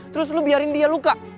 terus lu biarin dia luka